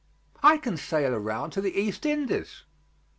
I can sail around to the East Indies."